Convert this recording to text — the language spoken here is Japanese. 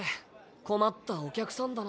困ったお客さんだな。